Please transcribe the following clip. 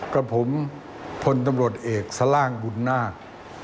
กับผมพลตำรวจเอกสล่างบุญนาค